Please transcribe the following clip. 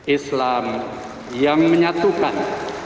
islam yang menyatukan